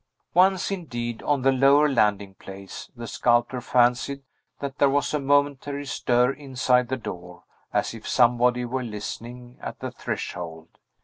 Once indeed, on the lower landing place, the sculptor fancied that there was a momentary stir inside the door, as if somebody were listening at the threshold.